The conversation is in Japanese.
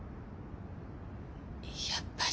やっぱり。